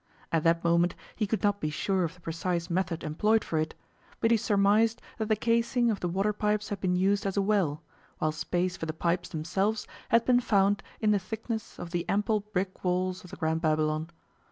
At that moment he could not be sure of the precise method employed for it, but he surmised that the casing of the waterpipes had been used as a 'well', while space for the pipes themselves had been found in the thickness of the ample brick walls of the Grand Babylon.